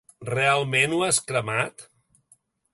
Realment ho has cremat?